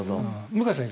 向井さん